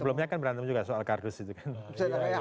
sebelumnya kan berantem juga soal kardus itu kan